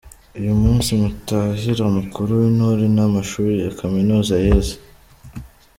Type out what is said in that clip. Uyu Mutahira mukuru w’Intore nta mashuri ya Kaminuza yize.